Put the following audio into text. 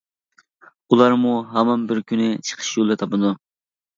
ئۇلارمۇ ھامان بىر كۈنى چىقىش يولى تاپىدۇ.